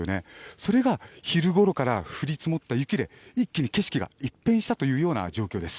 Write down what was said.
それが昼ごろから降り積もった雪で一気に景色が一変したというような状況です。